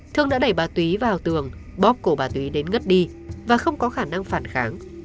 thương đã đẩy bà túy vào tường bóp cổ bà túy đến ngất đi và không có khả năng phản kháng